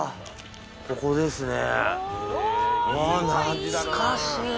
ここですね。